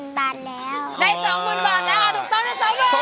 ได้๒๐๐๐๐บาทแล้วถูกต้องมา๒๐๐๐๐บาท